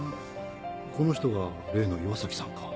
この人が例の岩崎さんか。